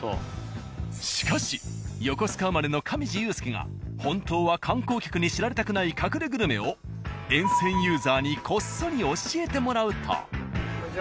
［しかし横須賀生まれの上地雄輔が本当は観光客に知られたくない隠れグルメを沿線ユーザーにこっそり教えてもらうと］